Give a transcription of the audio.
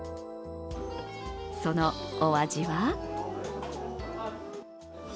そのお味は？